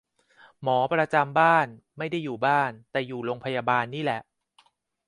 หมอประจำบ้าน ไม่ได้อยู่บ้าน แต่อยู่โรงพยาบาลนี่แหละ